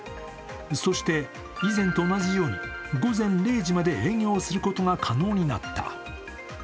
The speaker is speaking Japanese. そして以前と同じように午前０時まで営業することが可能になった。